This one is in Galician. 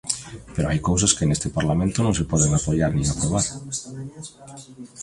Pero hai cousas que neste Parlamento non se poden apoiar nin aprobar.